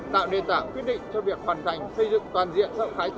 tạo đề tảng quyết định cho việc hoàn thành xây dựng toàn diện sợ khái giả